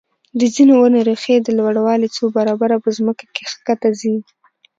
د ځینو ونو ریښې د لوړوالي څو برابره په ځمکه کې ښکته ځي.